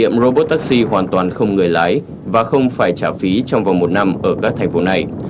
đã đảm bảo giấy phép thử nghiệm robot taxi hoàn toàn không người lái và không phải trả phí trong vòng một năm ở các thành phố này